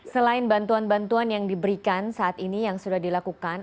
selain bantuan bantuan yang diberikan saat ini yang sudah dilakukan